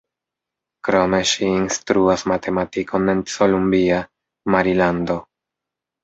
Krome ŝi instruas matematikon en Columbia, Marilando.